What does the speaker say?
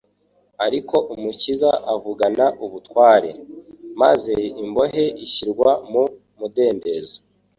Ariko Umukiza avugana ubutware, maze imbohe ishyirwa mu mudendezo.